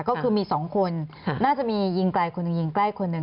ก็คือมี๒คนน่าจะมียิงไกลคนหนึ่งยิงใกล้คนหนึ่ง